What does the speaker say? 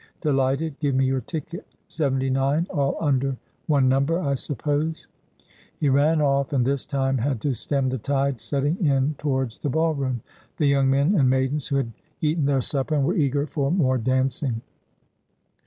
'Delighted. G ive me your ticket. Seventy nine. All under one number, I suppose.' He ran off, and this time had to stem the tide setting in towards the ball room ; the young men and maidens who had eaten their supper and were eager for more dancing.